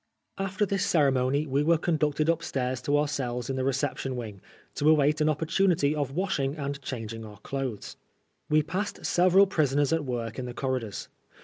After this ceremony we werp conducted upstairs to our cells in the reception wing, to await an opportunity of washing and changing our clothes. We passed several prisoners at work in the corridors.